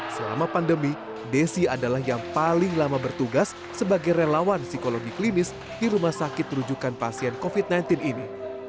selama pandemi desi adalah yang paling lama bertugas sebagai relawan psikologi klinis di rumah sakit rujukan pasien covid sembilan belas ini